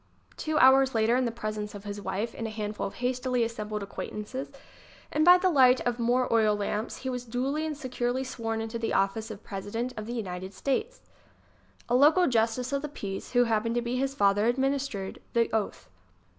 Two hours later, in the presence of his wife and a handful of hastily assembled acquaintances, and by the light of more oil lamps, he was duly and securely sworn into the office of President of the United States. A local justice of the peace, who happened to be his father, administered the oath.